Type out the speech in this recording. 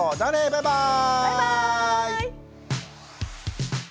バイバーイ！